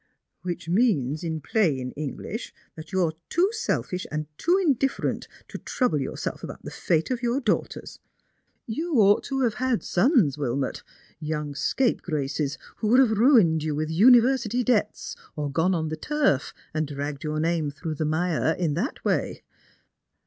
"Which means in plain English that you are too selfish and too indifferent to trouble yourself about the fate of your daughters. You ought to have had sons, Wilmot; young scapegraces, who would have ruined you with university debts, or gone on the turf and dragged your name through the mire in that way."